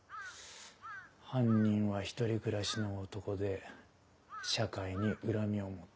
犯人は１人暮らしの男で社会に恨みを持っている。